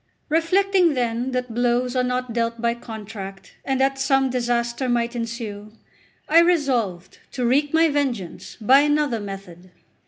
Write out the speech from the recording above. Reflecting, then, that blows are not dealt by contract, and that some disaster might ensue, I resolved to wreak my vengeance by another method.